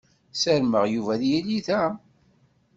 Sarmeɣ Yuba ad yili da.